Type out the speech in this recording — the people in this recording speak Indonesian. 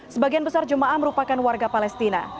sebagian besar jemaah merupakan warga palestina